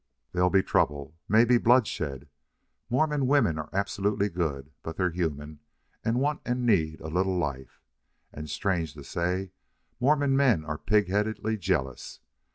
"There'll be trouble maybe bloodshed. Mormon women are absolutely good, but they're human, and want and need a little life. And, strange to say, Mormon men are pig headedly jealous....